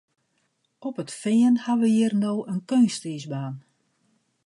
Op it Fean ha we hjir no in keunstiisbaan.